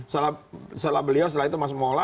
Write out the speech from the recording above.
setelah beliau setelah itu mas mola